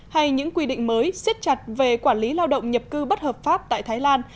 hay những quy định mới siết chặt về quản lý lao động nhập cư bất hợp pháp tại thái lan